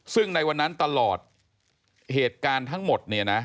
ซึ่งในวันนั้นตลอดเหตุการณ์ทั้งหมดเนี่ยนะ